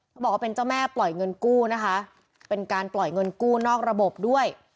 บอกว่าเป็นเจ้าแม่ปล่อยเงินกู้นะคะเป็นการปล่อยเงินกู้นอกระบบด้วย